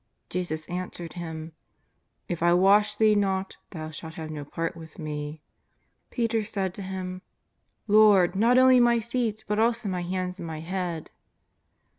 Jesus answered him :'' If I wash thee not thou shalt have no part with Me." Peter said to Him :" Lord, not only my feet but also my hands and my head."